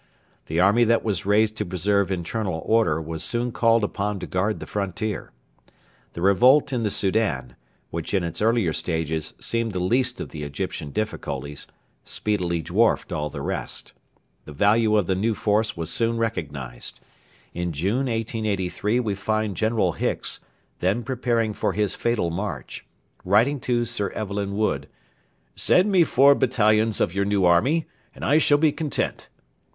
The army that was raised to preserve internal order was soon called upon to guard the frontier. The revolt in the Soudan, which in its earlier stages seemed the least of the Egyptian difficulties, speedily dwarfed all the rest. The value of the new force was soon recognised. In June 1883 we find General Hicks, then preparing for his fatal march, writing to Sir Evelyn Wood: 'Send me four battalions of your new army, and I shall be content.'